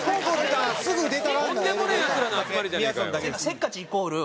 せっかちイコール